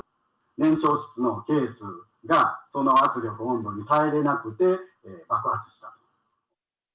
燃焼室のケースが、その圧力、温度に耐えれなくて爆発した。